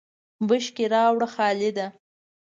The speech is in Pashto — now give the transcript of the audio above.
بشکی راوړه خالده !